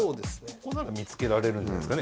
ここなら見つけられるんじゃないですかね。